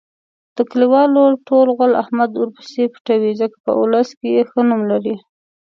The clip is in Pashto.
د کلیوالو ټول غول احمد ورپسې پټوي. ځکه په اولس کې ښه نوم لري.